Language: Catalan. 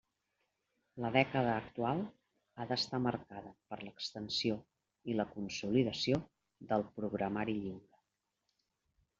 La dècada actual ha d'estar marcada per l'extensió i la consolidació del programari lliure.